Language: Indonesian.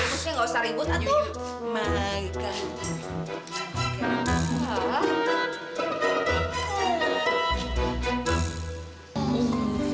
amutnya gak usah ribut atuh